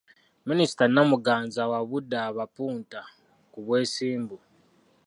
Minisita Namuganza awabudde abapunta ku bwesimbu.